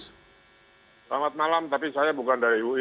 selamat malam tapi saya bukan dari ui